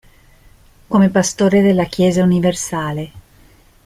Come Pastore della Chiesa universale.